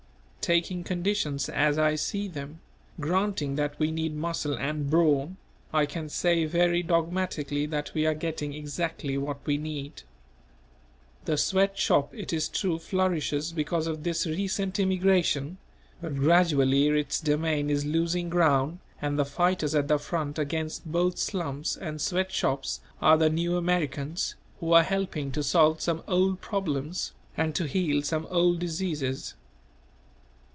Taking conditions as I see them, granting that we need muscle and brawn, I can say very dogmatically that we are getting exactly what we need. The sweat shop it is true flourishes because of this recent immigration; but gradually its domain is losing ground and the fighters at the front against both slums and sweat shops are the New Americans, who are helping to solve some old problems and to heal some old diseases.